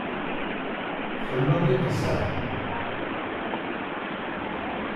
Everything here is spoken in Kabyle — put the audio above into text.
Tḥemmleḍ iqzaḥ?